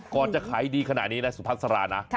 ก่อนจะขายดีขนาดนี้ละสุภาษารานะ